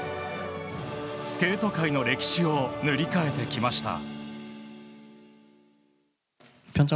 スケート界の歴史を塗り替えてきました。